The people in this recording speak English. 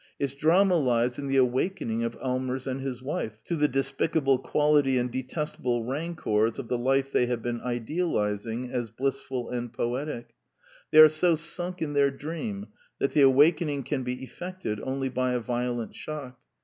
Its drama lies in the awakening of Allmers and his wife to the despicable quality and detestable ran cors of the life they have been idealizing as bliss full and poetic. They are so sunk in their dream that the awakening can be effected only by a vio lent shock.